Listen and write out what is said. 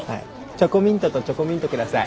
チョコミントとチョコミント下さい。